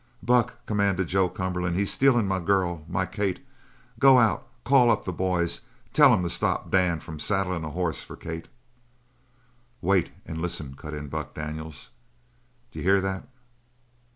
"Buck!" commanded Joe Cumberland. "He's stealin' my girl my Kate go out! call up the boys tell'em to stop Dan from saddlin' a horse for Kate " "Wait and listen!" cut in Buck Daniels. "D'you hear that?"